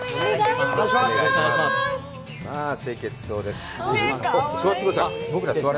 まあ、清潔そうです。